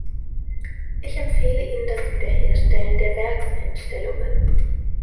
Ich empfehle Ihnen das Wiederherstellen der Werkseinstellungen.